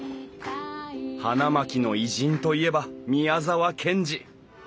花巻の偉人といえば宮沢賢治。